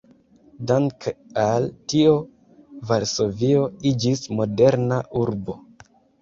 Danke al tio Varsovio iĝis moderna urbo.